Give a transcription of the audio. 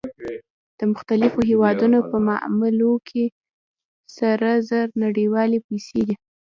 د مختلفو هېوادونو په معاملو کې سره زر نړیوالې پیسې دي